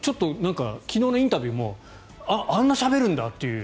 昨日のインタビューもあああんなにしゃべるんだという。